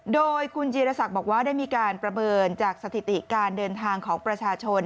โดยคุณจีรศักดิ์บอกว่าได้มีการประเมินจากสถิติการเดินทางของประชาชน